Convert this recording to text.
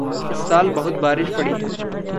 इस साल बहुत बारिश पड़ी है।